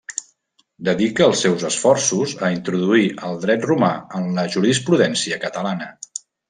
Dedica els seus esforços a introduir el dret romà en la jurisprudència catalana.